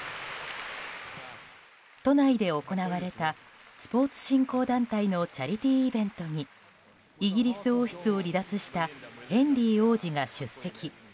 都内で行われたスポーツ振興団体のチャリティーイベントにイギリス王室を離脱したヘンリー王子が出席。